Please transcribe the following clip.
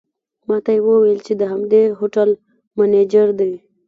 ماته یې وویل چې د همدې هوټل منیجر دی.